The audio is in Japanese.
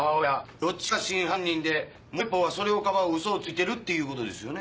どっちかが真犯人でもう一方はそれを庇う嘘をついてるっていうことですよね？